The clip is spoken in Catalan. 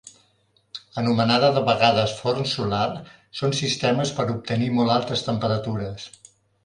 Anomenada de vegades forn solar, són sistemes per obtenir molt altes temperatures.